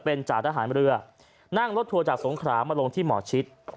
เป็นจ่าทหารเรือนั่งรถทัวร์จากสงขรามาลงที่หมอชิด